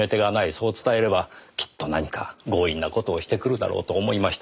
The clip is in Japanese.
そう伝えればきっと何か強引な事をしてくるだろうと思いました。